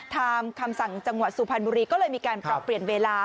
คำสั่งจังหวัดสุพรรณบุรีก็เลยมีการปรับเปลี่ยนเวลา